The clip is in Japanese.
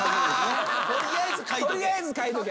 取りあえず書いとけ。